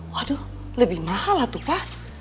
waduh lebih mahal lah tuh pak